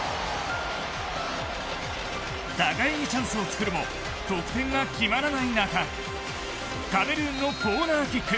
互いにチャンスを作るも得点が決まらない中カメルーンのコーナーキック。